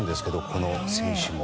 この選手も。